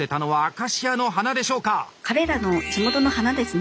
彼らの地元の花ですね。